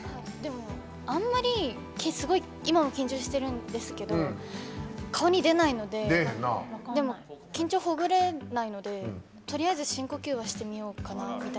あんまり、すごい今は緊張してるんですけど顔に出ないので緊張ほぐれないのでとりあえず深呼吸はしてみようかなって。